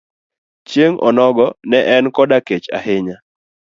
Chieng' onogo ne en koda kech ahinya.